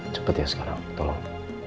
cepet ya sekarang tolong